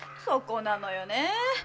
そこなのよねぇ！